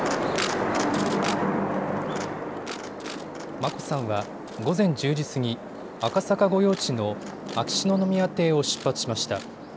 眞子さんは午前１０時過ぎ、赤坂御用地の秋篠宮邸を出発しました。